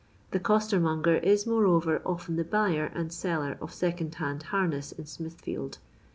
The costermonger is, moreover, often the buyer and seller of second hand harness in Smithfield.